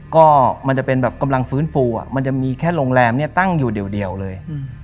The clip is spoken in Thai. ก็มันจะเป็นแบบกำลังฟื้นฟูมันจะมีแค่โรงแรมเนี่ยตั้งอยู่เดียวเลย